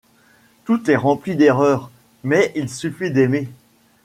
Tout est rempli d'erreur, mais il suffit d'aimer.